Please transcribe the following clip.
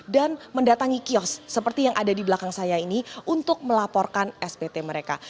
dan mendatangi kios seperti yang ada di belakang saya ini untuk melaporkan spt mereka